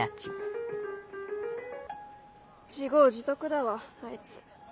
自業自得だわあいつ。